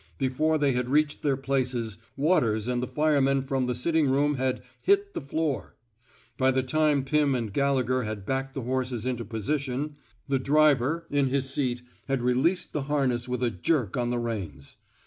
Before they had reached their places. Waters and the firemen from the sitting room had hit the floor." By the time Pim and Gallegher had backed the horses into position, the 181 THE SMOKE EATEES driver, in his seat, had released the harness with a jerk on the reins.